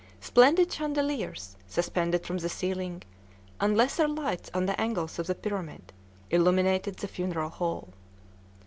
Splendid chandeliers suspended from the ceiling, and lesser lights on the angles of the pyramid, illuminated the funeral hall.